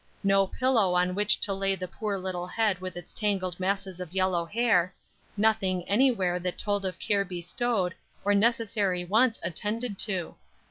No pillow on which to lay the poor little head with its tangled masses of yellow hair, nothing anywhere that told of care bestowed or necessary wants attended to.